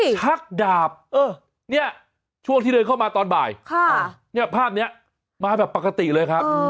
ชักดาบช่วงที่เรนเข้ามาตอนบ่ายภาพนี้มาแบบปกติเลยครับ